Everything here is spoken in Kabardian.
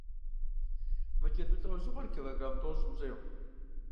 Мы джэду лӏэужьыгъуэр киллограмм тӀощӀым щӀегъу.